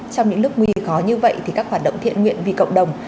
trong những lúc nguy khó như vậy thì các hoạt động thiện nguyện vì cộng đồng